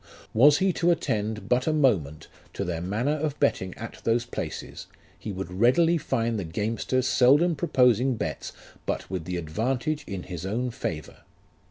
"Was he to attend but a moment to their manner of betting at those places, he would readily find the gamester seldom proposing bets but with the advantage in his own favour.